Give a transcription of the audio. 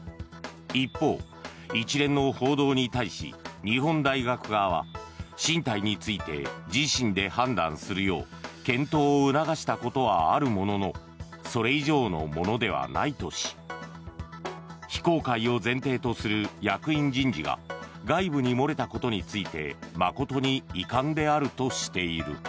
一方、一連の報道に対し日本大学側は進退について自身で判断するよう検討を促したことはあるもののそれ以上のものではないとし非公開を前提とする役員人事が外部に漏れたことについて誠に遺憾であるとしている。